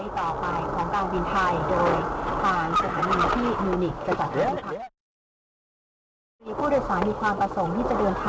ทางตรงค่ะซึ่งก็มีอีกทางเรื่องมาก